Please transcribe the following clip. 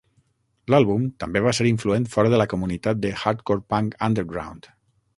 L'àlbum també va ser influent fora de la comunitat de "hardcore punk underground".